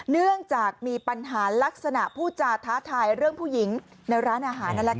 เนื่องจากมีปัญหาลักษณะผู้จาท้าทายเรื่องผู้หญิงในร้านอาหารนั่นแหละค่ะ